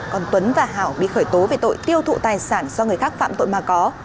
còn tuấn và hảo bị khởi tố về tội tiêu thụ tài sản do người khác phạm tội mà có